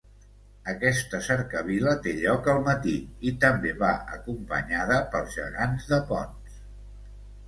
Aquesta cercavila té lloc al matí i també va acompanyada pels gegants de Ponts.